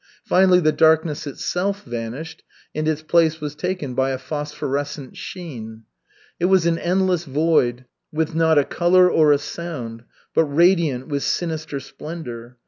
Finally, the darkness itself vanished and its place was taken by a phosphorescent sheen. It was an endless void, with not a color or a sound, but radiant with sinister splendor.